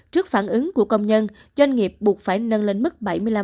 trước phản ứng của công nhân doanh nghiệp buộc phải nâng lên mức bảy mươi năm